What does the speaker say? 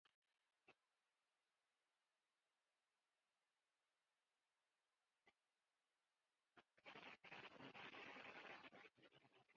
El campeón fue Independiente tras derrotar a Universidad Católica en la final.